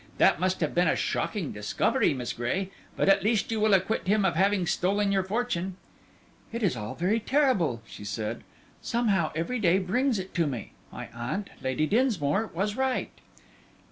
That must have been a shocking discovery, Miss Gray, but at least you will acquit him of having stolen your fortune." "It is all very terrible," she said; "somehow every day brings it to me. My aunt, Lady Dinsmore, was right."